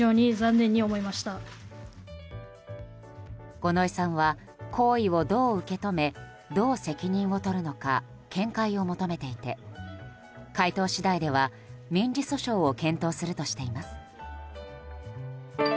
五ノ井さんは行為をどう受け止めどう責任を取るのか見解を求めていて回答次第では、民事訴訟を検討するとしています。